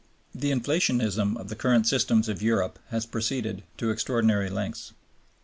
The inflationism of the currency systems of Europe has proceeded to extraordinary lengths.